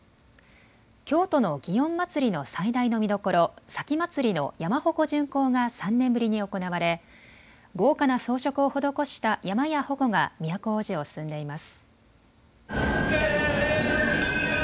京都の祇園祭の最大の見どころ前祭の山鉾巡行が３年ぶりに行われ豪華な装飾を施した山やほこが都大路を進んでいます。